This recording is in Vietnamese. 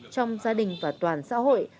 trong gia đình và toàn xã hội